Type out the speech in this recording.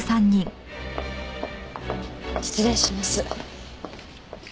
失礼します。